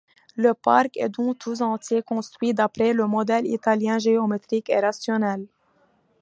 Le parc est donc tout entier construit d'après le modèle italien, géométrique et rationnel.